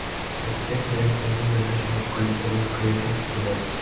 At the same time, a new generation of cultural creators emerged.